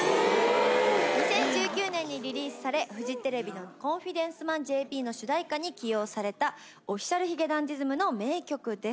２０１９年にリリースされフジテレビの『コンフィデンスマンＪＰ』の主題歌に起用されたＯｆｆｉｃｉａｌ髭男ｄｉｓｍの名曲です。